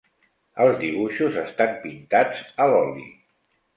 Els dibuixos estan pintats a l'oli.